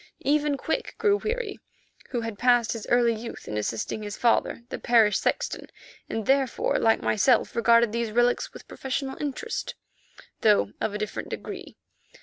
Even Quick grew weary, who had passed his early youth in assisting his father, the parish sexton, and therefore, like myself, regarded these relics with professional interest, though of a different degree.